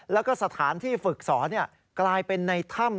แล้วก็สถานที่ฝึกสอนกลายเป็นในถ้ำ